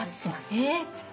えっ！